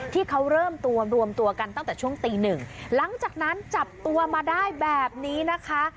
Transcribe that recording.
ที่เขาเริ่มตัวรวมตัวกันตั้งแต่ช่วงตีหนึ่งหลังจากนั้นจับตัวมาได้แบบนี้นะคะ